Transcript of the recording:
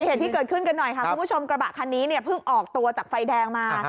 เหตุที่เกิดขึ้นกันหน่อยค่ะคุณผู้ชมกระบะคันนี้เนี่ยเพิ่งออกตัวจากไฟแดงมา